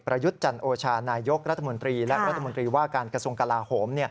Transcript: ยุทธ์จันโอชานายกรัฐมนตรีและรัฐมนตรีว่าการกระทรวงกลาโหม